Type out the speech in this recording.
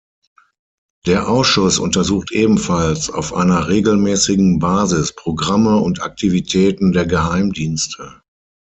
Der Ausschuss untersucht ebenfalls auf einer regelmäßigen Basis Programme und Aktivitäten der Geheimdienste.